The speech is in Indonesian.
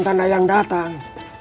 tanda yang datang